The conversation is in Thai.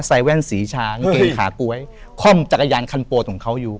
แว่นสีช้างเกงขาก๊วยค่อมจักรยานคันโปรดของเขาอยู่